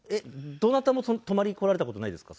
どなたも泊まりに来られた事ないですか？